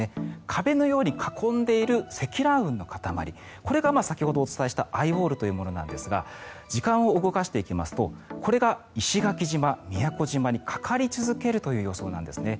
壁のように囲んでいる積乱雲の塊これが先ほどお伝えしたアイウォールというものなんですが時間を動かしていきますとこれが石垣島、宮古島にかかり続けるという予想なんですね。